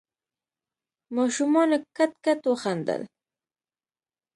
ماشومانو کټ کټ وخندل.